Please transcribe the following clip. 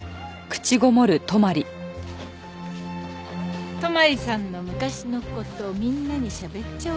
泊さんの昔の事みんなにしゃべっちゃおうかな。